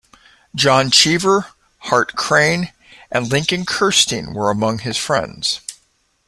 John Cheever, Hart Crane, and Lincoln Kirstein were among his friends.